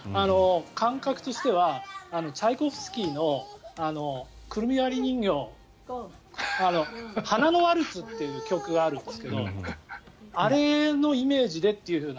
感覚としてはチャイコフスキーの「くるみ割り人形」「花のワルツ」という曲があるんですけどあれのイメージでというふうな。